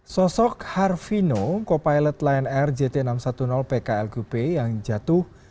sosok harvino co pilot lion air jt enam ratus sepuluh pkl gupe yang jatuh